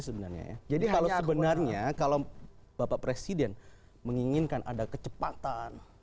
sebenarnya ya jadi kalau sebenarnya kalau bapak presiden menginginkan ada kecepatan